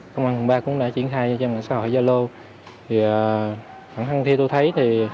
phần thân thi tôi thấy